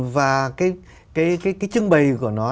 và cái trưng bày của nó